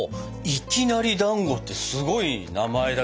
いきなりだんごってすごい名前だけど知らなかったな。